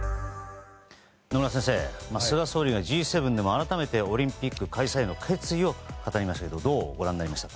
野村先生菅総理がＧ７でも改めてオリンピック開催の決意を語りましたがどうご覧になりましたか？